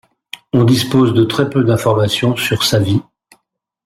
On dispose de très peu d'informations sur sa vie.